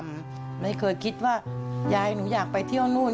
ไม่เคยคิดว่ายายหนูอยากไปเที่ยวนู่น